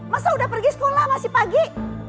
masa udah pergi sekolah masih pagi